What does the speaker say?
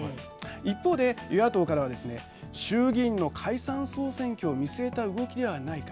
一方で、与野党からはですね衆議院の解散総選挙を見据えた動きではないか。